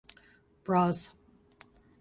Bras.